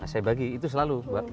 saya bagi itu selalu